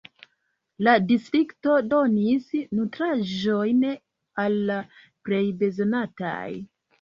La distrikto donis nutraĵojn al la plej bezonataj.